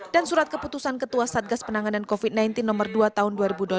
dan surat keputusan ketua satgas penanganan covid sembilan belas no dua tahun dua ribu dua puluh dua